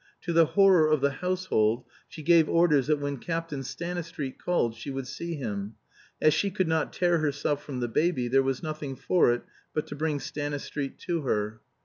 To the horror of the household, she gave orders that when Captain Stanistreet called she would see him. As she could not tear herself from the baby, there was nothing for it but to bring Stanistreet to her.